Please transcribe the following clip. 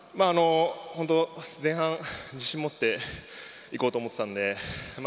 本当、前半は自信を持って行こうと思っていたので。